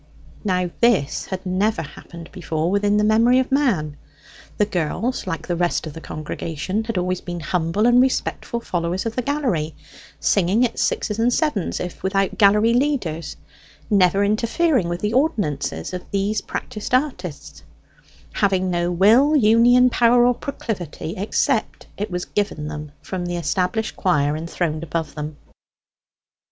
Now this had never happened before within the memory of man. The girls, like the rest of the congregation, had always been humble and respectful followers of the gallery; singing at sixes and sevens if without gallery leaders; never interfering with the ordinances of these practised artists having no will, union, power, or proclivity except it was given them from the established choir enthroned above them.